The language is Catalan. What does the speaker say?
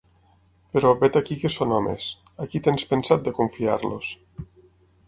Però, vet aquí que són homes: a qui tens pensat de confiar-los?